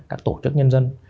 các tổ chức nhân dân